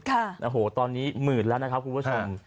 ค่ะโอ้โหตอนนี้หมื่นแล้วนะครับคุณผู้ชม